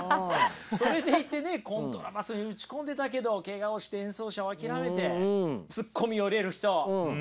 それでいてねコントラバスに打ち込んでたけどケガをして演奏者を諦めてツッコミを入れる人。